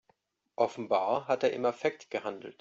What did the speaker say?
Offenbar hat er im Affekt gehandelt.